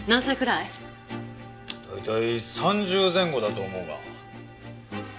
大体３０前後だと思うが。